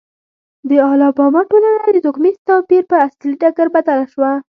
د الاباما ټولنه د توکمیز توپیر پر اصلي ډګر بدله شوه.